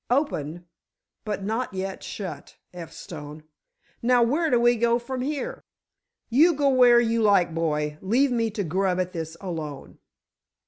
"Open—but not yet shut, F. Stone. Now, where do we go from here?" "You go where you like, boy. Leave me to grub at this alone."